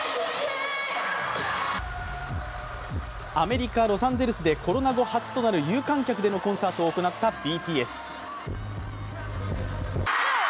アメリカ・ロサンゼルスでコロナ後初となる有観客でのコンサートを行ったＢＴＳ。